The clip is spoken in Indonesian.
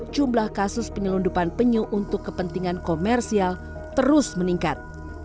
jumlah kasus penyelundupan penyu untuk kepentingan komersial terus meningkat